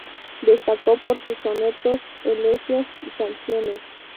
Destacó por sus sonetos, elegías y canciones.